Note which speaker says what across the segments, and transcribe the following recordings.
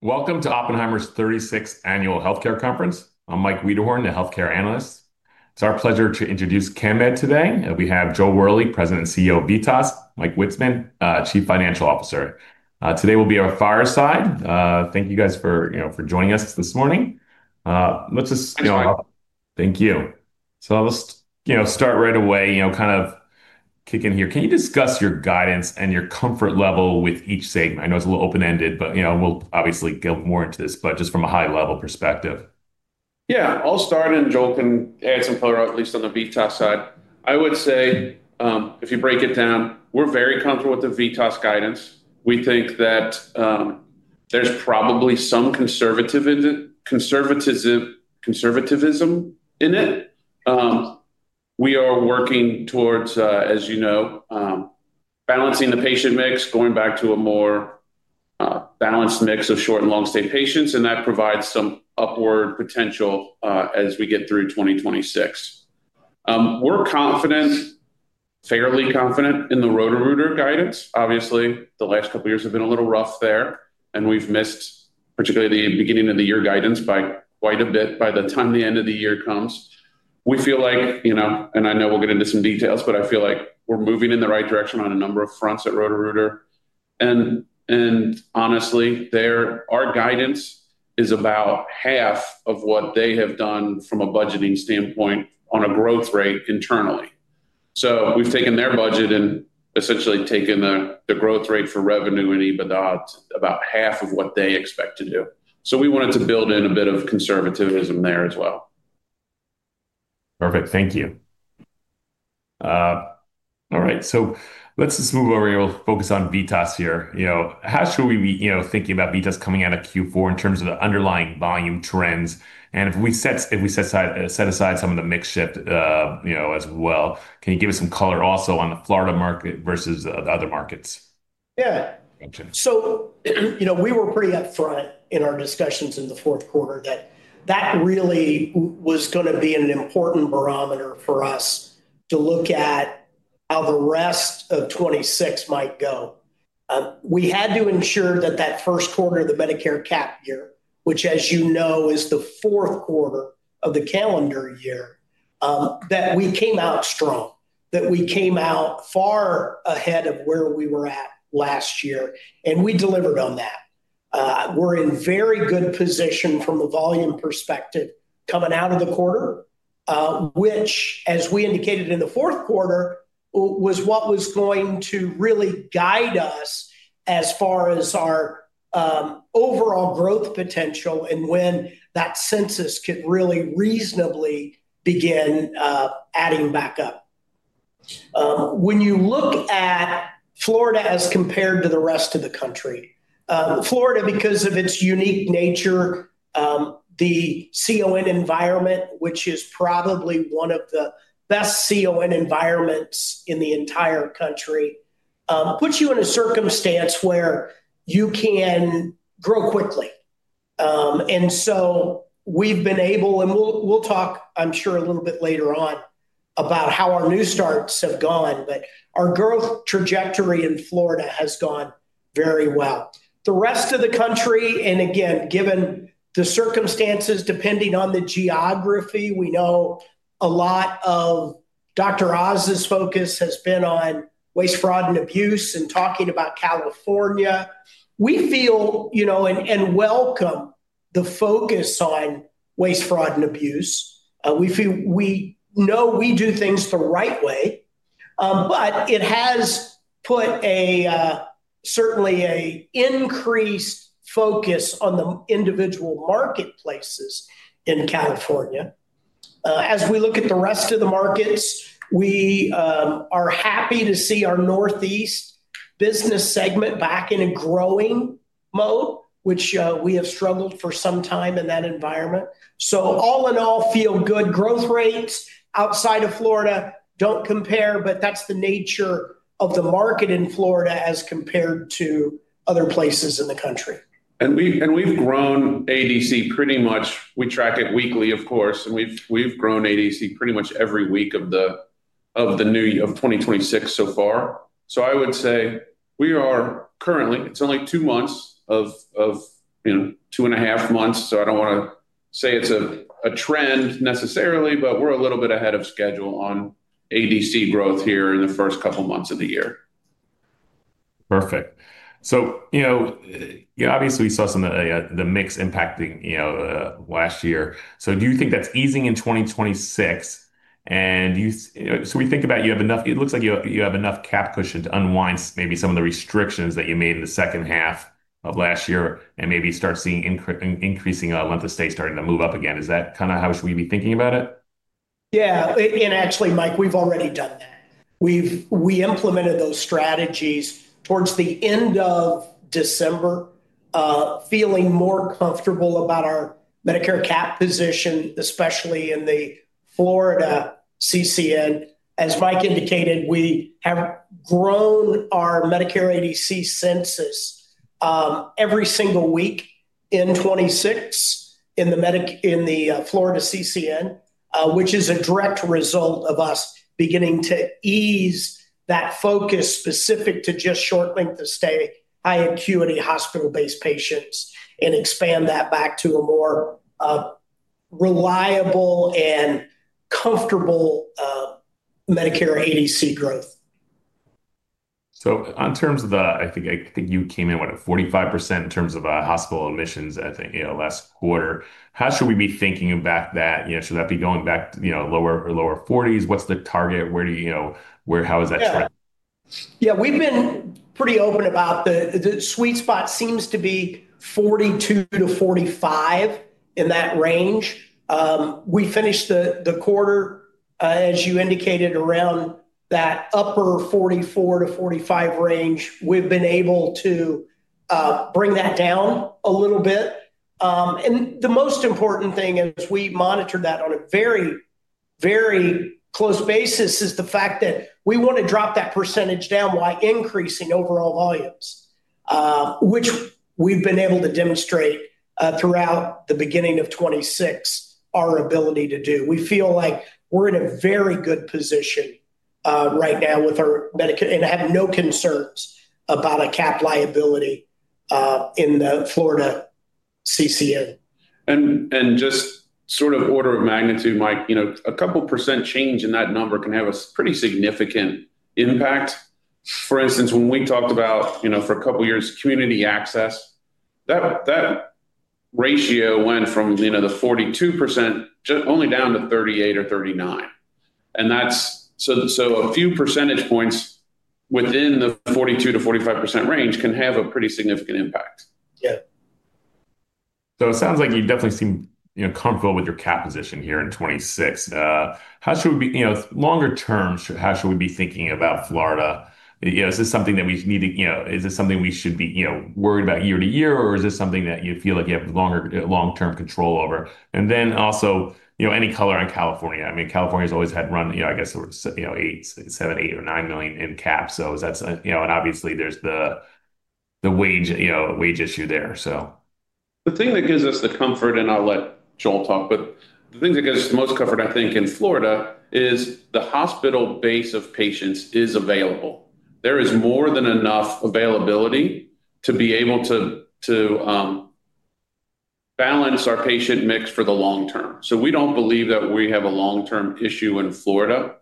Speaker 1: Welcome to Oppenheimer's 36th Annual Healthcare Conference. I'm Mike Wiederhorn, the healthcare analyst. It's our pleasure to introduce Chemed today. We have Joel Wherley, President and CEO of VITAS; Mike Witzeman, Chief Financial Officer. Today will be our fireside. Thank you guys for, you know, for joining us this morning. Let's just go on. Thank you. I'll just, you know, start right away, you know, kind of kick in here. Can you discuss your guidance and your comfort level with each segment? I know it's a little open-ended, but, you know, we'll obviously go more into this, but just from a high-level perspective.
Speaker 2: Yeah. I'll start, and Joel can add some color, at least on the VITAS side. I would say, if you break it down, we're very comfortable with the VITAS guidance. We think that, there's probably some conservatism in it. We are working towards, as you know, balancing the patient mix, going back to a more balanced mix of short and long-stay patients, and that provides some upward potential, as we get through 2026. We're confident, fairly confident in the Roto-Rooter guidance. Obviously, the last couple of years have been a little rough there, and we've missed particularly the beginning of the year guidance by quite a bit by the time the end of the year comes. We feel like, you know, and I know we'll get into some details, but I feel like we're moving in the right direction on a number of fronts at Roto-Rooter. Honestly, our guidance is about half of what they have done from a budgeting standpoint on a growth rate internally. We've taken their budget and essentially taken the growth rate for revenue and EBITDA to about half of what they expect to do. We wanted to build in a bit of conservatism there as well.
Speaker 1: Perfect. Thank you. All right, so let's just move over here. We'll focus on VITAS here. You know, how should we be, you know, thinking about VITAS coming out of Q4 in terms of the underlying volume trends? If we set aside some of the mix shift, you know, as well, can you give us some color also on the Florida market versus the other markets?
Speaker 3: Yeah.
Speaker 2: Got you.
Speaker 3: You know, we were pretty upfront in our discussions in the fourth quarter that that really was gonna be an important barometer for us to look at how the rest of 2026 might go. We had to ensure that that first quarter of the Medicare cap year, which as you know is the fourth quarter of the calendar year, that we came out strong, that we came out far ahead of where we were at last year, and we delivered on that. We're in very good position from a volume perspective coming out of the quarter, which as we indicated in the fourth quarter, was what was going to really guide us as far as our overall growth potential and when that census could really reasonably begin adding back up. When you look at Florida as compared to the rest of the country, Florida, because of its unique nature, the CON environment, which is probably one of the best CON environments in the entire country, puts you in a circumstance where you can grow quickly. We'll talk, I'm sure, a little bit later on about how our new starts have gone, but our growth trajectory in Florida has gone very well. The rest of the country, and again, given the circumstances, depending on the geography, we know a lot of Mehmet Oz's focus has been on waste, fraud, and abuse and talking about California. We feel, you know, and welcome the focus on waste, fraud, and abuse. We feel we know we do things the right way, but it has put certainly an increased focus on the individual marketplaces in California. As we look at the rest of the markets, we are happy to see our Northeast business segment back in a growing mode, which we have struggled for some time in that environment. All in all, feel good. Growth rates outside of Florida don't compare, but that's the nature of the market in Florida as compared to other places in the country.
Speaker 2: We've grown ADC pretty much. We track it weekly, of course, and we've grown ADC pretty much every week of 2026 so far. I would say we are currently, it's only two months of, you know, two and a half months, so I don't wanna say it's a trend necessarily, but we're a little bit ahead of schedule on ADC growth here in the first couple months of the year.
Speaker 1: Perfect. You know, obviously we saw some of the mix impacting, you know, last year. Do you think that's easing in 2026? It looks like you have enough cap cushion to unwind maybe some of the restrictions that you made in the second half of last year and maybe start seeing increasing length of stay starting to move up again. Is that kind of how we should be thinking about it?
Speaker 3: Yeah. Actually, Mike, we've already done that. We implemented those strategies towards the end of December, feeling more comfortable about our Medicare cap position, especially in the Florida CCN. As Mike indicated, we have grown our Medicare ADC census every single week in 2026 in the Medicare in the Florida CCN. Which is a direct result of us beginning to ease that focus specific to just short length of stay, high acuity hospital-based patients and expand that back to a more reliable and comfortable Medicare ADC growth.
Speaker 1: In terms of the, I think you came in, what, at 45% in terms of hospital admissions, I think, you know, last quarter. How should we be thinking about that? You know, should that be going back to, you know, lower 40s? What's the target? Where, you know, where, how is that trending?
Speaker 3: Yeah. We've been pretty open about the sweet spot seems to be 42%-45%, in that range. We finished the quarter, as you indicated around that upper 44%-45% range. We've been able to bring that down a little bit. The most important thing, as we monitor that on a very close basis, is the fact that we want to drop that percentage down while increasing overall volumes, which we've been able to demonstrate throughout the beginning of 2026, our ability to do. We feel like we're in a very good position right now with our Medicaid and have no concerns about a capped liability in the Florida CCN.
Speaker 2: Just sort of order of magnitude, Mike, you know, a couple percent change in that number can have a pretty significant impact. For instance, when we talked about, you know, for a couple of years, community access, that ratio went from, you know, the 42% only down to 38% or 39%. That's so a few percentage points within the 42%-45% range can have a pretty significant impact.
Speaker 3: Yeah.
Speaker 1: It sounds like you definitely seem, you know, comfortable with your cap position here in 2026. You know, longer term, how should we be thinking about Florida? You know, is this something that we need to, you know, is this something we should be, you know, worried about year to year, or is this something that you feel like you have longer, long-term control over? And then also, you know, any color on California. I mean, California's always had run, you know, I guess, you know, $87 million, $88 million or $89 million in cap. So that's, you know, and obviously there's the wage, you know, wage issue there, so.
Speaker 2: The thing that gives us the comfort, and I'll let Joel talk, but the thing that gives us the most comfort, I think, in Florida is the hospital base of patients is available. There is more than enough availability to be able to to balance our patient mix for the long term. We don't believe that we have a long-term issue in Florida.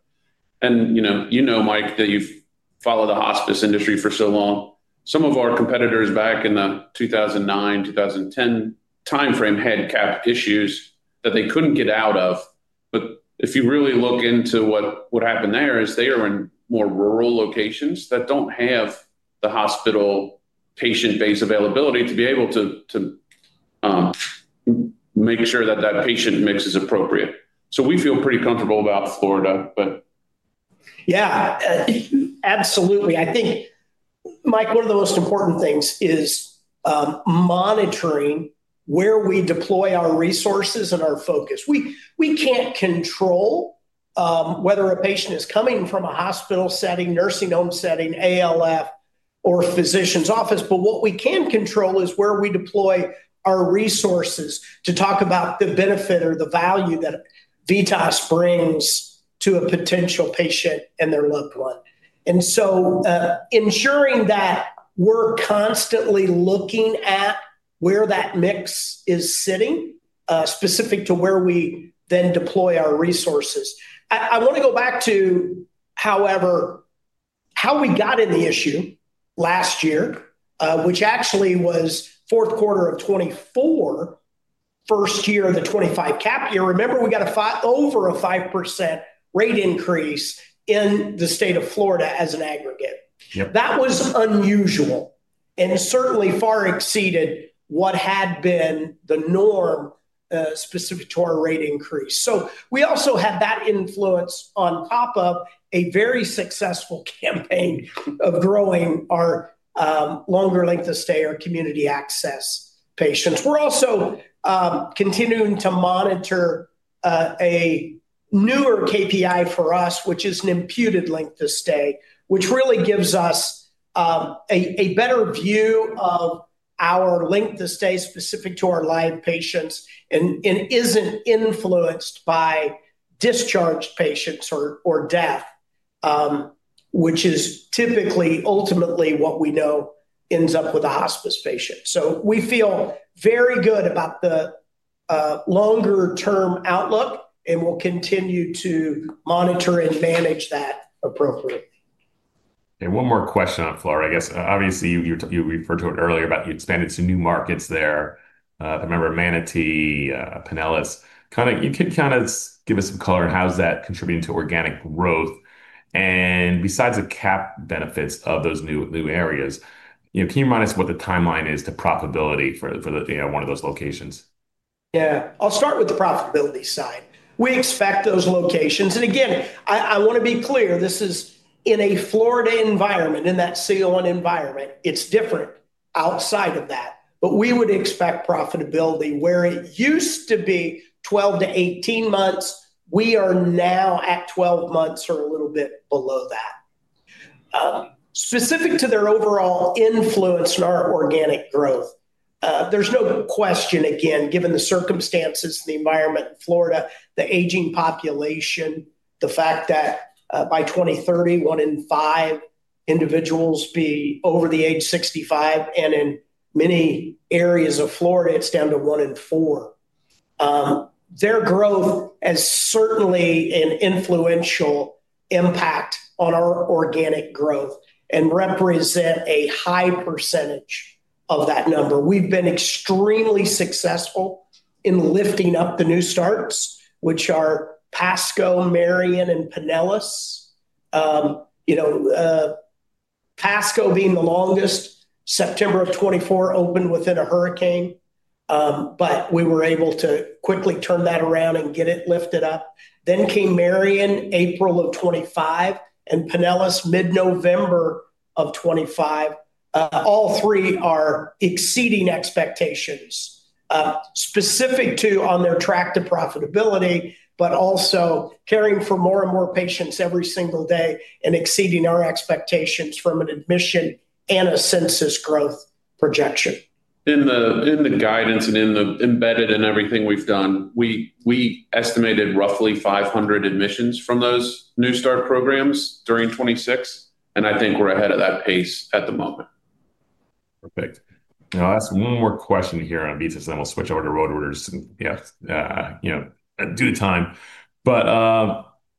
Speaker 2: You know, Mike, that you've followed the hospice industry for so long. Some of our competitors back in the 2009, 2010 timeframe had cap issues that they couldn't get out of. If you really look into what happened there is they are in more rural locations that don't have the hospital patient base availability to be able to to make sure that that patient mix is appropriate. We feel pretty comfortable about Florida, but.
Speaker 3: Yeah, absolutely. I think, Mike, one of the most important things is monitoring where we deploy our resources and our focus. We can't control whether a patient is coming from a hospital setting, nursing home setting, ALF, or physician's office. But what we can control is where we deploy our resources to talk about the benefit or the value that VITAS brings to a potential patient and their loved one. Ensuring that we're constantly looking at where that mix is sitting, specific to where we then deploy our resources. I want to go back to, however, how we got in the issue last year, which actually was fourth quarter of 2024, first year of the 2025 cap year. Remember, we got over 5% rate increase in the state of Florida as an aggregate.
Speaker 2: Yep.
Speaker 3: That was unusual, and it certainly far exceeded what had been the norm specific to our rate increase. We also had that influence on top of a very successful campaign of growing our longer length of stay or community access patients. We're also continuing to monitor a newer KPI for us, which is an imputed length of stay, which really gives us a better view of our length of stay specific to our live patients and isn't influenced by discharged patients or death, which is typically ultimately what we know ends up with a hospice patient. We feel very good about the longer term outlook, and we'll continue to monitor and manage that appropriately.
Speaker 1: One more question on Florida. I guess, obviously, you referred to it earlier about you expanded to new markets there. I remember Manatee, Pinellas. Kinda, you can kinda give us some color on how is that contributing to organic growth. Besides the cap benefits of those new areas, you know, can you remind us what the timeline is to profitability for the, you know, one of those locations?
Speaker 3: Yeah. I'll start with the profitability side. We expect those locations. Again, I want to be clear, this is in a Florida environment, in that CON environment. It's different outside of that. We would expect profitability where it used to be 12-18 months. We are now at 12 months or a little bit below that. Specific to their overall influence on our organic growth, there's no question, again, given the circumstances, the environment in Florida, the aging population, the fact that, by 2031 one in five individuals be over the age 65, and in many areas of Florida, it's down to one in four. Their growth is certainly an influential impact on our organic growth and represent a high percentage of that number. We've been extremely successful in lifting up the new starts, which are Pasco, Marion, and Pinellas. You know, Pasco being the longest, September of 2024 opened within a hurricane, but we were able to quickly turn that around and get it lifted up. Came Marion, April of 2025, and Pinellas, mid-November of 2025. All three are exceeding expectations, specific to on their track to profitability, but also caring for more and more patients every single day and exceeding our expectations from an admission and a census growth projection.
Speaker 2: In the guidance and in the embedded in everything we've done, we estimated roughly 500 admissions from those new start programs during 2026, and I think we're ahead of that pace at the moment.
Speaker 1: Perfect. I'll ask one more question here on VITAS, then we'll switch over to Roto-Rooter since, yeah, you know, due to time.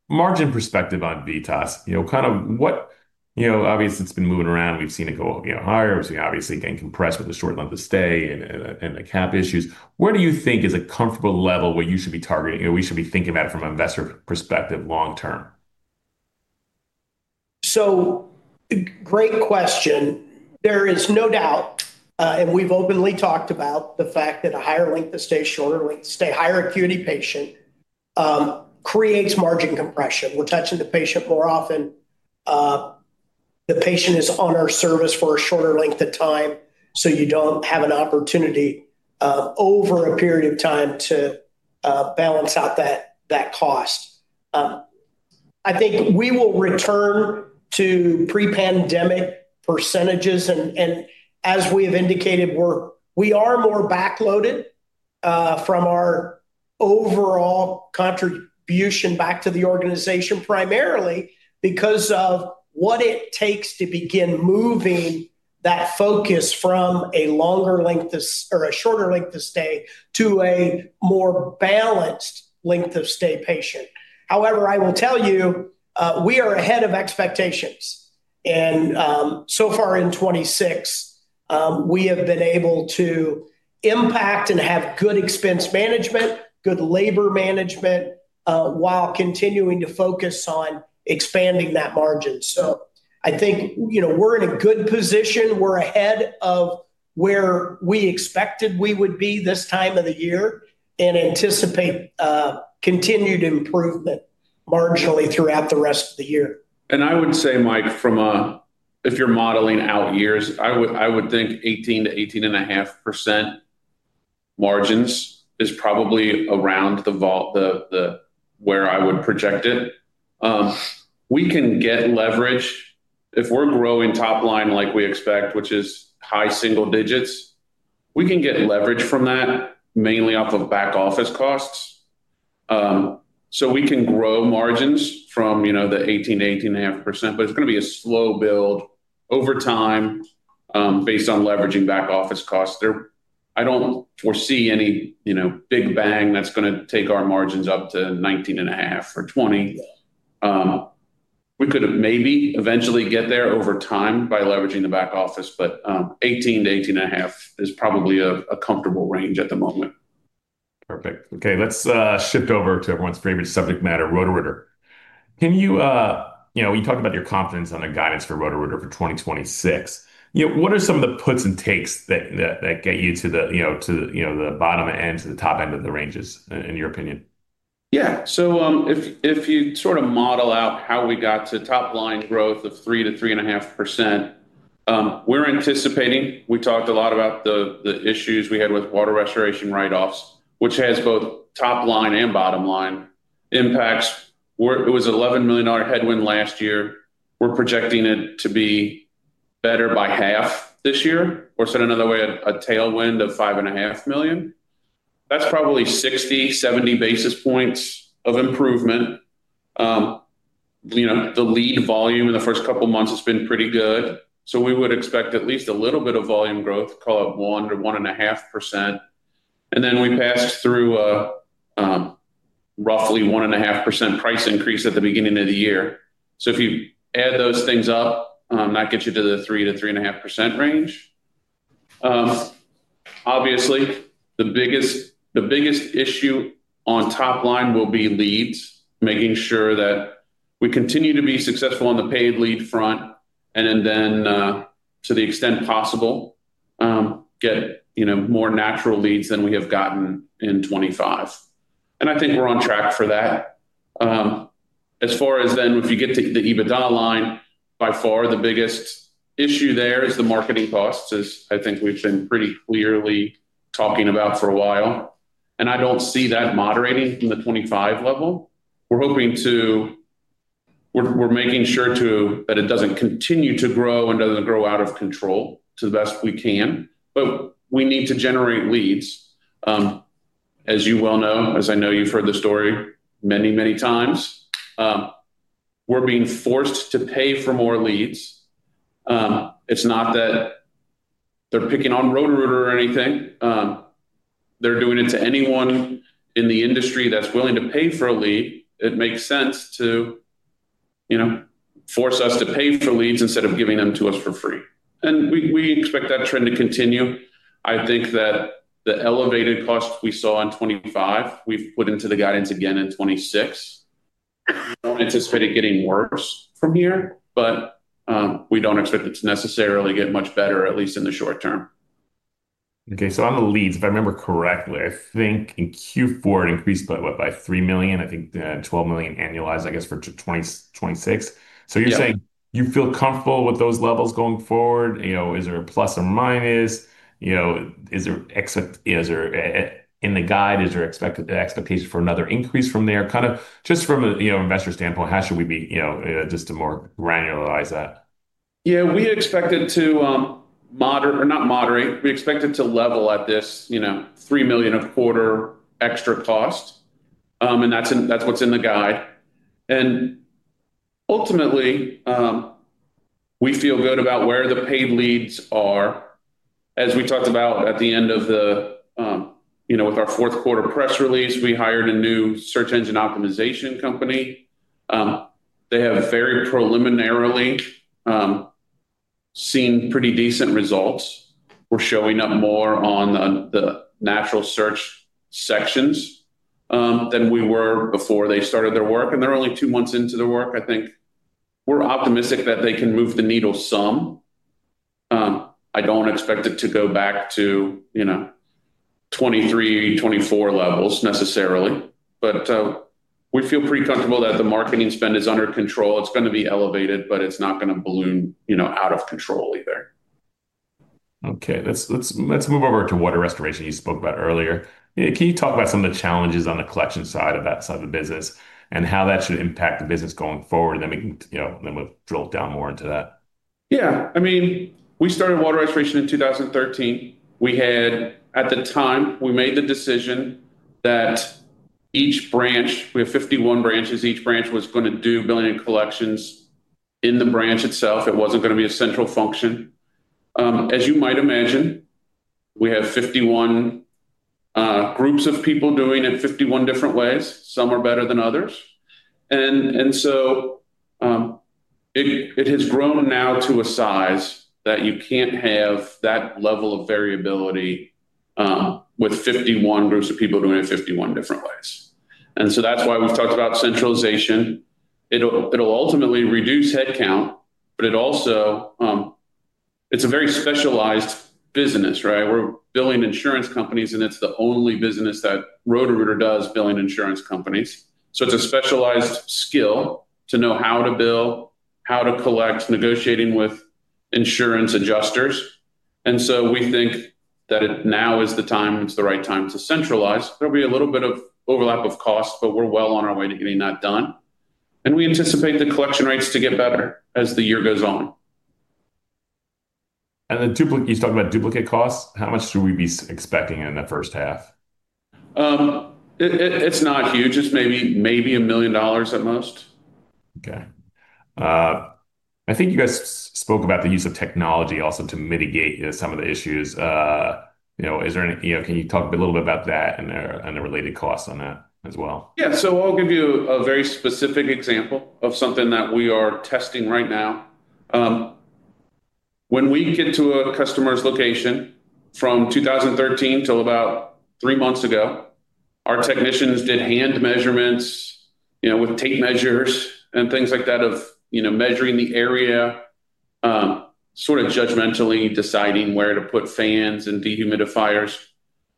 Speaker 1: Margin perspective on VITAS, you know, kind of what, you know, obviously it's been moving around. We've seen it go, you know, higher. We've seen it obviously getting compressed with the short length of stay and the cap issues. Where do you think is a comfortable level what you should be targeting or we should be thinking about from an investor perspective long term?
Speaker 3: Great question. There is no doubt, and we've openly talked about the fact that a higher length of stay, shorter length of stay, higher acuity patient, creates margin compression. We're touching the patient more often. The patient is on our service for a shorter length of time, so you don't have an opportunity, over a period of time to, balance out that cost. I think we will return to pre-pandemic percentages, and as we have indicated, we are more backloaded, from our overall contribution back to the organization, primarily because of what it takes to begin moving that focus from a longer length of stay or a shorter length of stay to a more balanced length of stay patient. However, I will tell you, we are ahead of expectations. So far in 2026, we have been able to impact and have good expense management, good labor management, while continuing to focus on expanding that margin. I think, you know, we're in a good position. We're ahead of where we expected we would be this time of the year and anticipate continued improvement marginally throughout the rest of the year.
Speaker 2: I would say, Mike, if you're modeling out years, I would think 18%-18.5% margins is probably around where I would project it. We can get leverage. If we're growing top line like we expect, which is high single digits, we can get leverage from that, mainly off of back-office costs. So we can grow margins from, you know, the 18%-18.5%, but it's gonna be a slow build over time, based on leveraging back-office costs. I don't foresee any, you know, big bang that's gonna take our margins up to 19.5% or 20%. We could maybe eventually get there over time by leveraging the back office, but 18%-18.5% is probably a comfortable range at the moment.
Speaker 1: Perfect. Okay, let's shift over to everyone's favorite subject matter, Roto-Rooter. Can you know, you talked about your confidence on the guidance for Roto-Rooter for 2026. You know, what are some of the puts and takes that get you to the, you know, to, you know, the bottom end to the top end of the ranges in your opinion?
Speaker 2: Yeah. If you sort of model out how we got to top-line growth of 3%-3.5%, we're anticipating. We talked a lot about the issues we had with water restoration write-offs, which has both top line and bottom line impacts. It was $11 million headwind last year. We're projecting it to be better by half this year, or said another way, a tailwind of $5.5 million. That's probably 60-70 basis points of improvement. You know, the lead volume in the first couple of months has been pretty good, so we would expect at least a little bit of volume growth, call it 1%-1.5%. We passed through a roughly 1.5% price increase at the beginning of the year. If you add those things up, that gets you to the 3%-3.5% range. Obviously, the biggest issue on top line will be leads, making sure that we continue to be successful on the paid lead front and then, to the extent possible, get you know more natural leads than we have gotten in 2025. I think we're on track for that. As far as then if you get to the EBITDA line, by far the biggest issue there is the marketing costs, as I think we've been pretty clearly talking about for a while. I don't see that moderating from the 2025 level. We're making sure, too, that it doesn't continue to grow and doesn't grow out of control to the best we can. We need to generate leads. As you well know, as I know you've heard the story many, many times, we're being forced to pay for more leads. It's not that they're picking on Roto-Rooter or anything. They're doing it to anyone in the industry that's willing to pay for a lead. It makes sense to, you know, force us to pay for leads instead of giving them to us for free. We expect that trend to continue. I think that the elevated cost we saw in 2025, we've put into the guidance again in 2026. We don't anticipate it getting worse from here, but we don't expect it to necessarily get much better, at least in the short term.
Speaker 1: Okay. On the leads, if I remember correctly, I think in Q4 it increased by what? By $3 million, I think, $12 million annualized, I guess, for 2026.
Speaker 2: Yeah.
Speaker 1: You're saying you feel comfortable with those levels going forward. You know, is there a plus or minus? You know, is there in the guide expectations for another increase from there? Kinda just from a, you know, investor standpoint, how should we be, you know, just to more granularize that?
Speaker 2: Yeah. We expect it to level at this, you know, $3 million a quarter extra cost. That's what's in the guide. Ultimately, we feel good about where the paid leads are. As we talked about at the end of, you know, with our fourth quarter press release, we hired a new search engine optimization company. They have very preliminarily seen pretty decent results. We're showing up more on the natural search sections than we were before they started their work, and they're only two months into their work. I think we're optimistic that they can move the needle some. I don't expect it to go back to, you know, 23, 24 levels necessarily. We feel pretty comfortable that the marketing spend is under control. It's gonna be elevated, but it's not gonna balloon, you know, out of control either.
Speaker 1: Okay. Let's move over to water restoration you spoke about earlier. Can you talk about some of the challenges on the collection side of that side of the business and how that should impact the business going forward? We can, you know, then we'll drill down more into that.
Speaker 2: Yeah. I mean, we started water restoration in 2013. At the time, we made the decision that each branch, we have 51 branches, each branch was gonna do billing and collections in the branch itself. It wasn't gonna be a central function. As you might imagine, we have 51 groups of people doing it 51 different ways. Some are better than others. It has grown now to a size that you can't have that level of variability with 51 groups of people doing it 51 different ways. That's why we've talked about centralization. It'll ultimately reduce head count, but it also. It's a very specialized business, right? We're billing insurance companies, and it's the only business that Roto-Rooter does, billing insurance companies. It's a specialized skill to know how to bill, how to collect, negotiating with insurance adjusters. We think that it now is the time, it's the right time to centralize. There'll be a little bit of overlap of costs, but we're well on our way to getting that done. We anticipate the collection rates to get better as the year goes on.
Speaker 1: You talked about duplicate costs. How much should we be expecting in the first half?
Speaker 2: It's not huge. It's maybe $1 million at most.
Speaker 1: Okay. I think you guys spoke about the use of technology also to mitigate, you know, some of the issues. You know, is there any, you know, can you talk a little bit about that and the related costs on that as well?
Speaker 2: Yeah. I'll give you a very specific example of something that we are testing right now. When we get to a customer's location from 2013 till about three months ago, our technicians did hand measurements, you know, with tape measures and things like that of, you know, measuring the area, sort of judgmentally deciding where to put fans and dehumidifiers.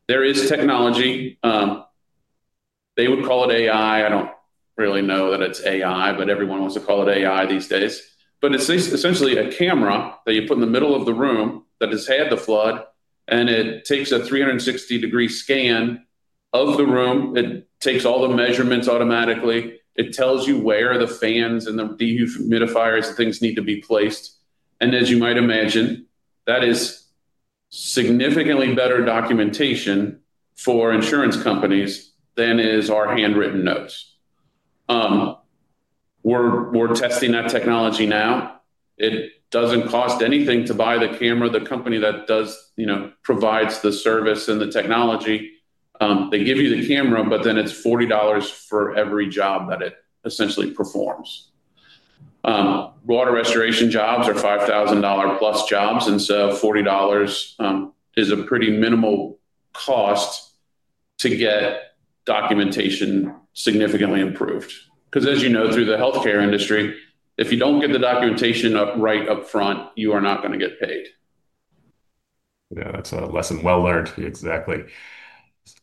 Speaker 2: There is technology they would call it AI. I don't really know that it's AI, but everyone wants to call it AI these days. It's essentially a camera that you put in the middle of the room that has had the flood, and it takes a 360-degree scan of the room. It takes all the measurements automatically. It tells you where the fans and the dehumidifiers things need to be placed. As you might imagine, that is significantly better documentation for insurance companies than is our handwritten notes. We're testing that technology now. It doesn't cost anything to buy the camera. The company that does, you know, provides the service and the technology, they give you the camera, but then it's $40 for every job that it essentially performs. Water restoration jobs are $5,000+ jobs, and so $40 is a pretty minimal cost to get documentation significantly improved. 'Cause as you know, through the healthcare industry, if you don't get the documentation up right up front, you are not gonna get paid.
Speaker 1: Yeah. That's a lesson well learned. Exactly.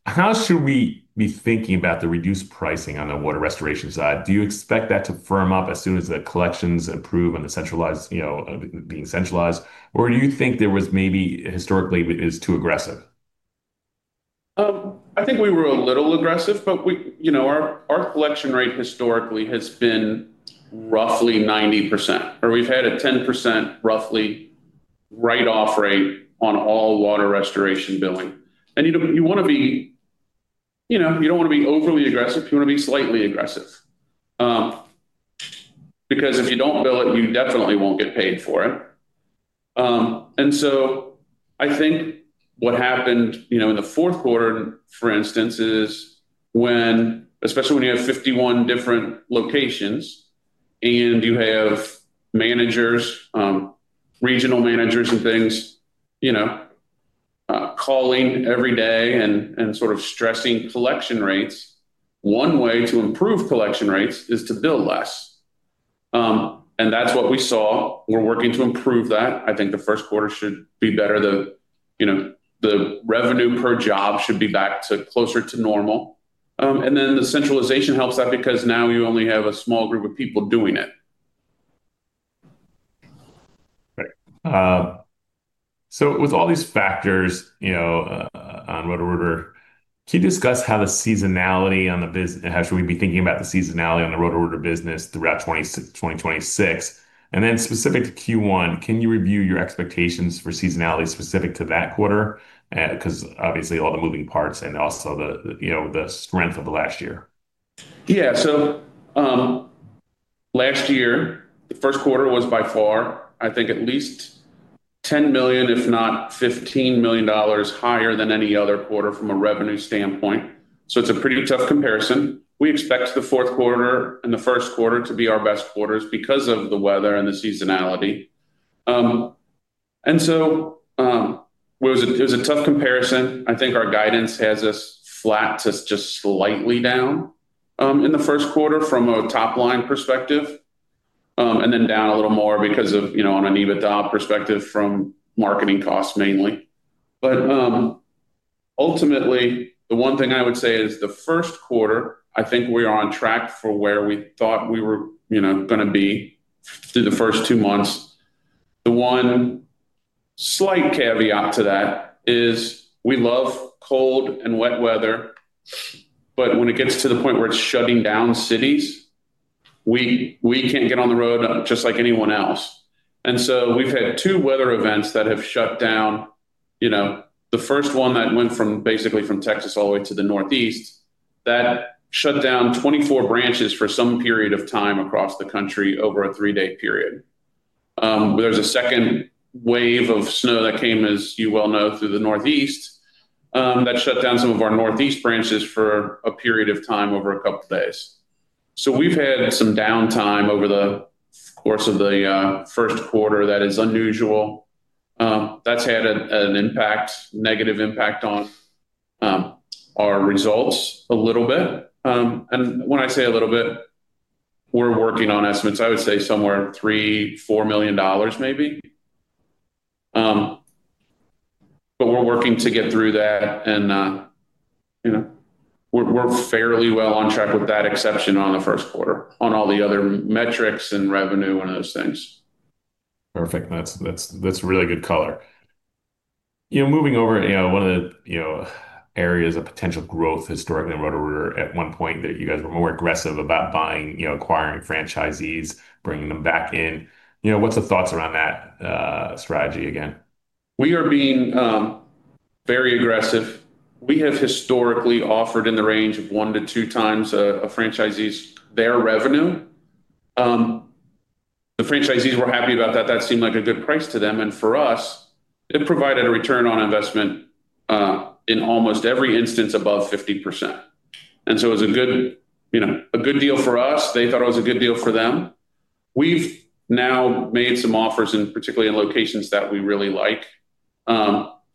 Speaker 1: How should we be thinking about the reduced pricing on the water restoration side? Do you expect that to firm up as soon as the collections improve and the centralized, you know, being centralized? Or do you think there was maybe historically it was too aggressive?
Speaker 2: I think we were a little aggressive, but we, you know, our collection rate historically has been roughly 90%. We've had a roughly 10% write-off rate on all water restoration billing. You know, you wanna be, you know, you don't wanna be overly aggressive, you wanna be slightly aggressive, because if you don't bill it, you definitely won't get paid for it. I think what happened, you know, in the fourth quarter, for instance, is when, especially when you have 51 different locations and you have managers, regional managers and things, you know, calling every day and sort of stressing collection rates. One way to improve collection rates is to bill less. That's what we saw. We're working to improve that. I think the first quarter should be better. You know, the revenue per job should be back to closer to normal. The centralization helps that because now you only have a small group of people doing it.
Speaker 1: With all these factors, you know, on Roto-Rooter, can you discuss how should we be thinking about the seasonality on the Roto-Rooter business throughout 2020-2026? Specific to Q1, can you review your expectations for seasonality specific to that quarter? 'Cause obviously all the moving parts and also the you know, the strength of the last year.
Speaker 2: Yeah. Last year, the first quarter was by far, I think, at least $10 million, if not $15 million higher than any other quarter from a revenue standpoint. It's a pretty tough comparison. We expect the fourth quarter and the first quarter to be our best quarters because of the weather and the seasonality. It was a tough comparison. I think our guidance has us flat to just slightly down in the first quarter from a top-line perspective, and then down a little more because of, you know, on an EBITDA perspective from marketing costs mainly. Ultimately, the one thing I would say is the first quarter, I think we are on track for where we thought we were, you know, gonna be through the first two months. The one slight caveat to that is we love cold and wet weather, but when it gets to the point where it's shutting down cities, we can't get on the road just like anyone else. We've had two weather events that have shut down. You know, the first one that went from basically Texas all the way to the northeast, that shut down 24 branches for some period of time across the country over a 3-day period. There's a second wave of snow that came, as you well know, through the northeast, that shut down some of our northeast branches for a period of time over a couple of days. We've had some downtime over the course of the first quarter that is unusual. That's had an impact, negative impact on our results a little bit. When I say a little bit, we're working on estimates. I would say somewhere $3-$4 million maybe. We're working to get through that and, you know, we're fairly well on track with that exception on the first quarter on all the other metrics and revenue and those things.
Speaker 1: Perfect. That's really good color. You know, moving over, you know, one of the, you know, areas of potential growth historically in Roto-Rooter at one point that you guys were more aggressive about buying, you know, acquiring franchisees, bringing them back in. You know, what's the thoughts around that strategy again?
Speaker 2: We are being very aggressive. We have historically offered in the range of 1-2x their revenue. The franchisees were happy about that. That seemed like a good price to them. For us, it provided a return on investment in almost every instance above 50%. It was a good, you know, a good deal for us. They thought it was a good deal for them. We've now made some offers, particularly in locations that we really like,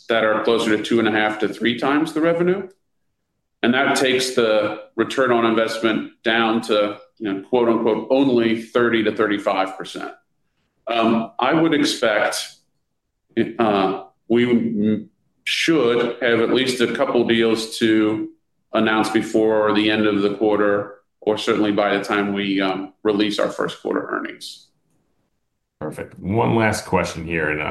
Speaker 2: that are closer to 2.5-3x the revenue. That takes the return on investment down to, you know, quote-unquote, "only 30%-35%." I would expect we should have at least a couple deals to announce before the end of the quarter, or certainly by the time we release our first quarter earnings.
Speaker 1: Perfect. One last question here, and,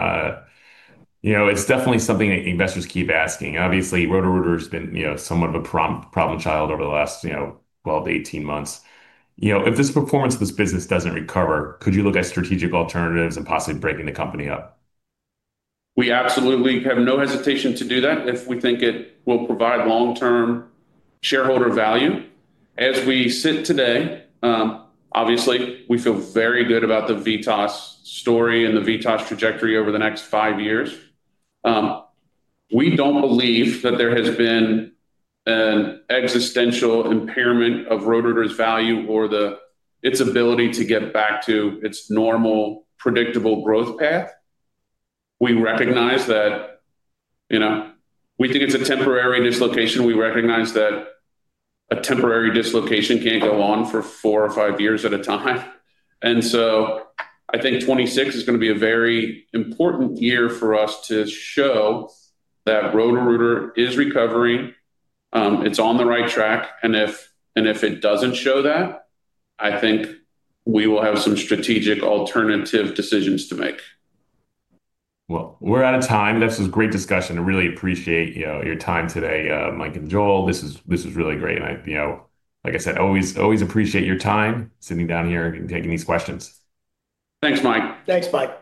Speaker 1: you know, it's definitely something that investors keep asking. Obviously, Roto-Rooter's been, you know, somewhat of a problem child over the last, you know, 12-18 months. You know, if this performance of this business doesn't recover, could you look at strategic alternatives and possibly breaking the company up?
Speaker 2: We absolutely have no hesitation to do that if we think it will provide long-term shareholder value. As we sit today, obviously, we feel very good about the VITAS story and the VITAS trajectory over the next five years. We don't believe that there has been an existential impairment of Roto-Rooter's value or its ability to get back to its normal, predictable growth path. We recognize that, you know, we think it's a temporary dislocation. We recognize that a temporary dislocation can't go on for four or five years at a time. I think 2026 is gonna be a very important year for us to show that Roto-Rooter is recovering, it's on the right track. If it doesn't show that, I think we will have some strategic alternative decisions to make.
Speaker 1: Well, we're out of time. This was a great discussion. I really appreciate, you know, your time today, Mike and Joel. This is really great. I, you know, like I said, always appreciate your time sitting down here and taking these questions.
Speaker 2: Thanks, Mike.
Speaker 3: Thanks, Mike.